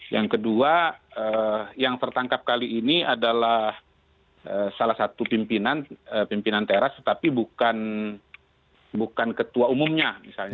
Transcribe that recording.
yang kedua yang tertangkap kali ini adalah salah satu pimpinan teras tetapi bukan ketua umumnya